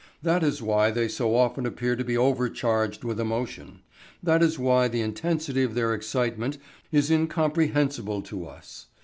That is why they so often appear to be overcharged with emotion; that is why the intensity of their excitement is incomprehensible to us.